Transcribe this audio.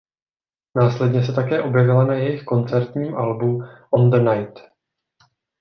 Následně se také objevila na jejich koncertním albu "On the Night".